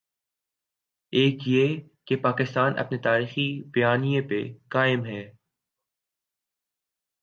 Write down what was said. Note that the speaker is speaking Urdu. ایک یہ کہ پاکستان اپنے تاریخی بیانیے پر قائم ہے۔